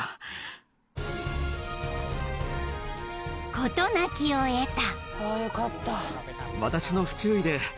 ［事なきを得た］